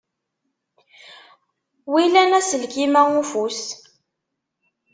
Wilan aselkim-a ufus?